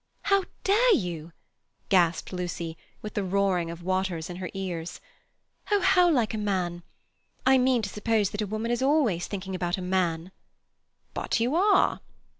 "How dare you!" gasped Lucy, with the roaring of waters in her ears. "Oh, how like a man!—I mean, to suppose that a woman is always thinking about a man." "But you are."